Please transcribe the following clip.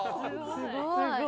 ・すごい。